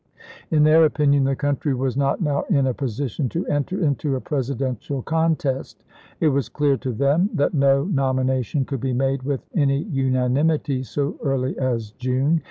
In their opinion the country was not now in a position to enter into a Presidential contest; it was clear to them that no nomination could be made with any unanimity so early as June.